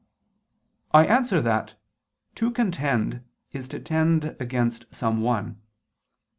I answer that, To contend is to tend against some one.